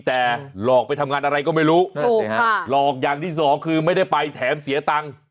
แต่หลอกไปทำงานอะไรก็ไม่รู้นั่นสิฮะหลอกอย่างที่สองคือไม่ได้ไปแถมเสียตังค์